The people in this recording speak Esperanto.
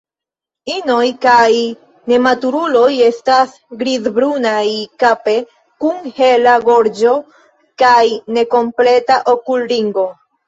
Inoj kaj nematuruloj estas grizbrunaj kape kun hela gorĝo kaj nekompleta okulringo.